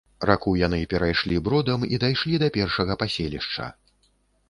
Раку яны перайшлі бродам і дайшлі да першага паселішча.